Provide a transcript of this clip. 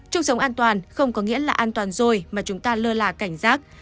chung sống an toàn không có nghĩa là an toàn rồi mà chúng ta lơ là cảnh giác